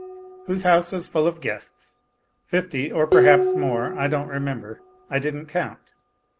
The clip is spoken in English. whose house was full of guests, fifty, or perhaps more. ... I don't remember, I didn't count.